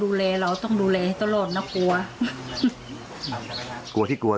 กลัวความไม่ปลอดภัยกับเรา